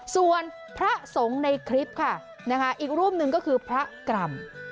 ส่วนพระสงฆ์ในคลิปค่ะอีกรูปหนึ่งก็คือพระกรรม